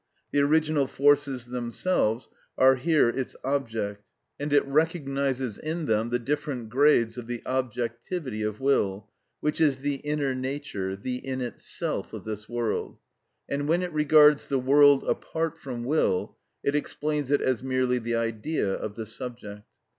The original forces themselves are here its object, and it recognises in them the different grades of the objectivity of will, which is the inner nature, the "in itself" of this world; and when it regards the world apart from will, it explains it as merely the idea of the subject.